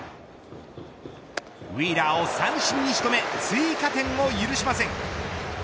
ウィーラーを三振に仕留め追加点を許しません。